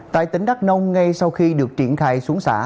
tại tỉnh đắk nông ngay sau khi được triển khai xuống xã